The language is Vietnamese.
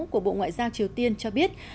của bộ ngoại giao triều tiên cho biết